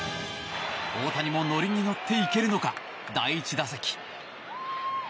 大谷もノリに乗っていけるのか第１打席。